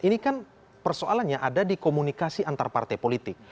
ini kan persoalannya ada di komunikasi antar partai politik